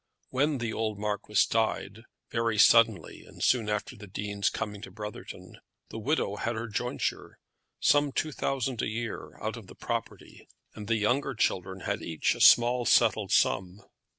When the old Marquis died, very suddenly, and soon after the Dean's coming to Brotherton, the widow had her jointure, some two thousand a year, out of the property, and the younger children had each a small settled sum.